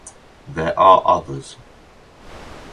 There are others.